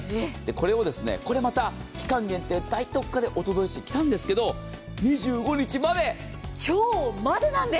これを、これまた期間限定大特価でお届けしてきたんですけど、２５日まで、今日までなんです。